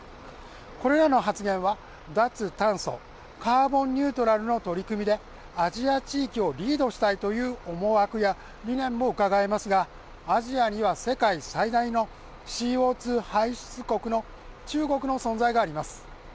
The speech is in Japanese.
これらの発言は、脱炭素、カーボンニュートラルの取り組みでアジア地域をリードしたいという思惑や理念もうかがえますがアジアには世界最大のＣＯ２排出国の中国の存在があります。